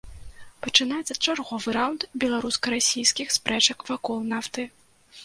Пачынаецца чарговы раўнд беларуска-расійскіх спрэчак вакол нафты.